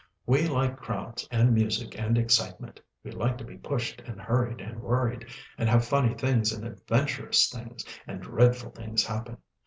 We like crowds, and music, and excitement. We like to be pushed, and hurried, and worried; and have funny things and adventurous things, and dreadful things happen.